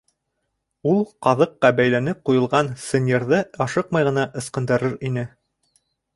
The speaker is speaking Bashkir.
Ул ҡаҙыҡҡа бәйләнеп ҡуйылған сынйырҙы ашыҡмай ғына ысҡынды-рыр ине.